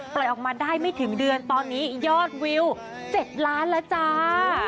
ออกมาได้ไม่ถึงเดือนตอนนี้ยอดวิว๗ล้านแล้วจ้า